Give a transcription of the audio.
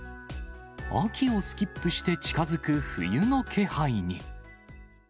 秋をスキップして近づく冬の気配に。